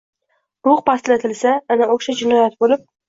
– ruh pastlatilsa, ana o‘sha – jinoyat bo‘lib